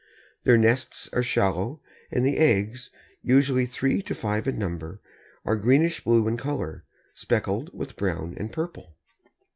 Their nests are shallow and the eggs, usually three to five in number, are greenish blue in color, speckled with brown and purple.